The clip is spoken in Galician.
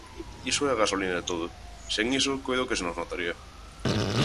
Iso é a gasolina de todo, sen iso coido que se nos notaría.